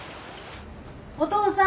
お父さん。